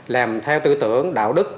làm theo tư tưởng đạo đức